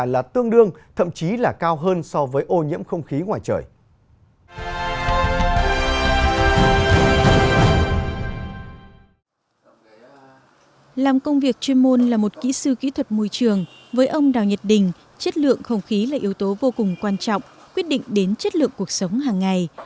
làm công việc chuyên môn là một kỹ sư kỹ thuật môi trường với ông đào nhật đình chất lượng không khí là yếu tố vô cùng quan trọng quyết định đến chất lượng cuộc sống hàng ngày